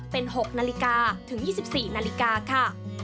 เป็น๖นาฬิกาถึง๒๔นาฬิกาค่ะ